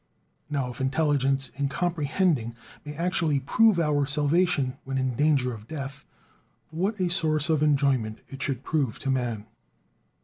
Now if intelligence in "comprehending" may actually prove our salvation when in danger of death, what a source of enjoyment it should prove to man!